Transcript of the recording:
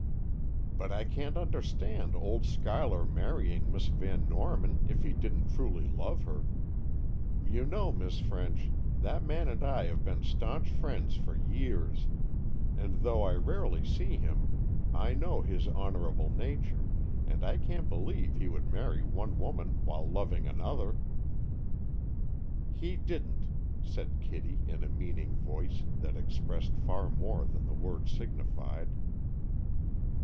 "But I can't understand old Schuyler marrying Miss Van Norman if he didn't truly love her. You know, Miss French, that man and I have been stanch friends for years; and though I rarely see him, I know his honorable nature, and I can't believe he would marry one woman while loving another." "He didn't," said Kitty in a meaning voice that expressed far more than the words signified.